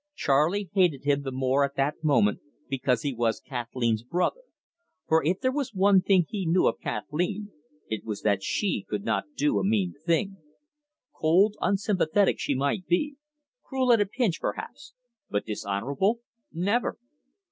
Charley hated him the more at that moment because he was Kathleen's brother. For if there was one thing he knew of Kathleen, it was that she could not do a mean thing. Cold, unsympathetic she might be, cruel at a pinch perhaps, but dishonourable never!